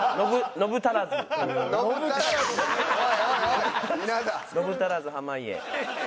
ノブ足らず濱家。